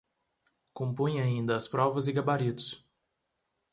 Compunha ainda as provas e gabaritos